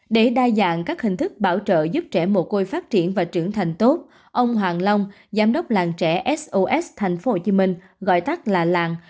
để đa dạng các hình thức bảo trợ giúp trẻ mồ côi phát triển và trưởng thành tốt ông hoàng long giám đốc làng trẻ sos thành phố hồ chí minh gọi tắt là làng